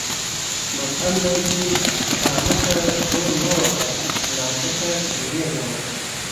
متل دی چې: کاڼۀ ته ډول مه وهه، ړانده ته ګډېږه مه.